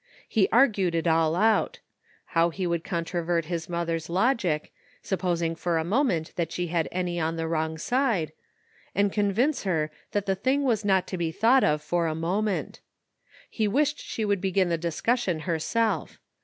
He argued it all out ; how he would controvert his mother's logic, supposing for a moment that she had any on the wrong side, and convince her that the thing was not to be thought of for a moment. He wished she would begin the discussion her self.